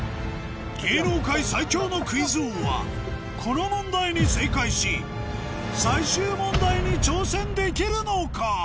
芸能界最強のクイズ王はこの問題に正解し最終問題に挑戦できるのか？